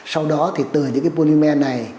sau đó từ những polymer này